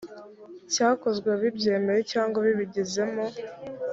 cyakozwe bibyemeye cyangwa bibigizemo